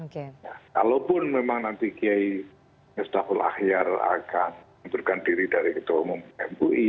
kalaupun memang nanti kiai miftahul ahyar akan menurunkan diri dari ketum mui